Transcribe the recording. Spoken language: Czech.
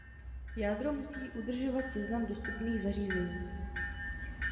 Jádro musí udržovat seznam dostupných zařízení.